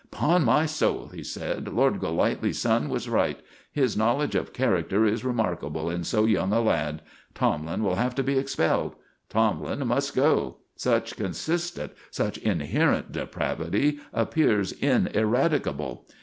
"Upon my soul," he said, "Lord Golightly's son was right. His knowledge of character is remarkable in so young a lad. Tomlin will have to be expelled; Tomlin must go; such consistent, such inherent depravity appears ineradicable.